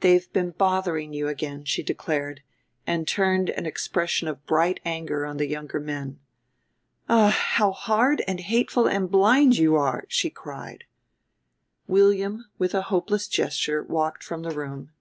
"They've been bothering you again," she declared, and turned an expression of bright anger on the younger men. "Ah, how hard and hateful and blind you are!" she cried. William, with a hopeless gesture, walked from the room.